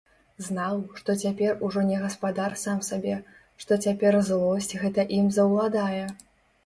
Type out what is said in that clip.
Знаў, што цяпер ужо не гаспадар сам сабе, што цяпер злосць гэта ім заўладае.